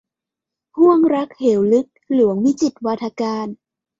ห้วงรักเหวลึก - หลวงวิจิตรวาทการ